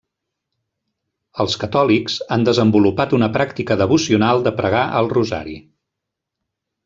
Els catòlics han desenvolupat una pràctica devocional de pregar al rosari.